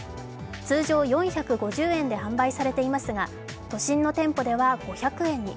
通常４５０円で販売されていますが、都心の店舗では５００円に。